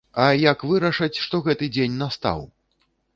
А, як вырашаць, што гэты дзень настаў!